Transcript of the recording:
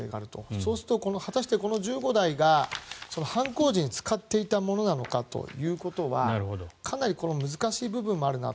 そうすると、果たしてこの１５台が犯行時に使っていたものなのかということはかなり難しい部分もあるなと。